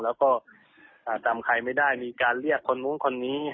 แล้วก็จำใครไม่ได้มีการเรียกคนนู้นคนนี้